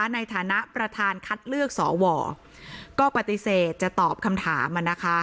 ในฐานะประธานคัดเลือกสวก็ปฏิเสธจะตอบคำถาม